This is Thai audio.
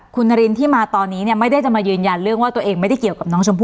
คุณนารินที่มาตอนนี้เนี่ยไม่ได้จะมายืนยันเรื่องว่าตัวเองไม่ได้เกี่ยวกับน้องชมพู่